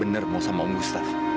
bener mau sama om gustaf